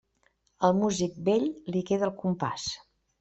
Al músic vell, li queda el compàs.